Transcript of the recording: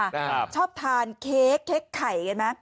ครับชอบทานเค้กไข่เห็นไหมอืม